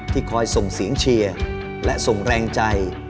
คอยส่งเสียงเชียร์และส่งแรงใจ